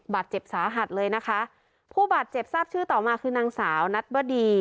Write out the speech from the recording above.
บาดเจ็บสาหัสเลยนะคะผู้บาดเจ็บทราบชื่อต่อมาคือนางสาวนัดวดี